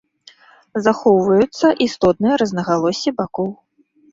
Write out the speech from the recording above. Захоўваюцца істотныя рознагалоссі бакоў.